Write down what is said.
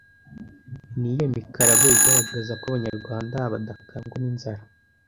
Ni iyihe mikarago igaragaza ko Abanyarwanda badakangwa n’inzara